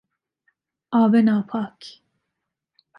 آب ناپاک